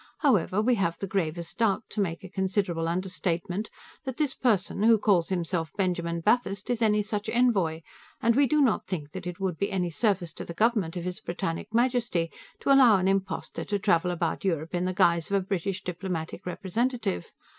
However, we have the gravest doubt, to make a considerable understatement, that this person who calls himself Benjamin Bathurst is any such envoy, and we do not think that it would be any service to the government of His Britannic Majesty to allow an impostor to travel about Europe in the guise of a British diplomatic representative.